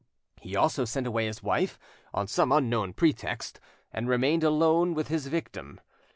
He also sent away his wife, on some unknown pretext, and remained alone with his victim.